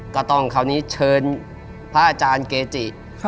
ก็ต้องคราวนี้เชิญพระอาจารย์เกจิ